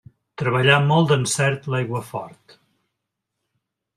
Treballà amb molt d'encert l'aiguafort.